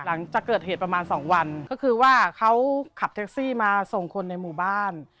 หลังจากเกิดเหตุประมาณสองวันก็คือว่าเขาขับแท็กซี่มาส่งคนในหมู่บ้าน